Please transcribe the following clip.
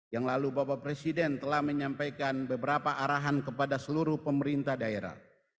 yang lalu bapak presiden telah menyampaikan beberapa arahan kepada seluruh pemerintah daerah